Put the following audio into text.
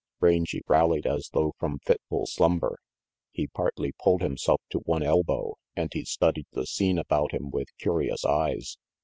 Rangy rallied as though from fitful slumber. He partly pulled himself to one elbow, and he studied the scene about him with curious eyes.